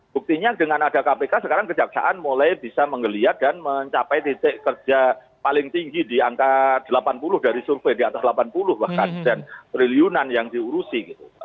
buktinya dengan ada kpk sekarang kejaksaan mulai bisa menggeliat dan mencapai titik kerja paling tinggi di angka delapan puluh dari survei di atas delapan puluh bahkan dan triliunan yang diurusi gitu